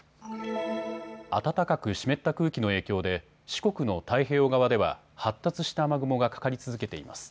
暖かく湿った空気の影響で四国の太平洋側では発達した雨雲がかかり続けています。